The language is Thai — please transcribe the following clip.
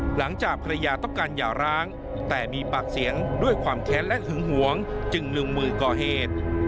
หลังจากภรรยาต้องการหย่าร้างแต่มีปากเสียงด้วยความแค้นและหึงหวงจึงลงมือก่อเหตุ